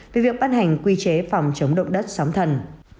về việc ban hành quy chế phòng chống động đất sóng thần